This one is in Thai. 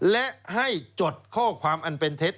และให้จดข้อความอันเป็นเท็จ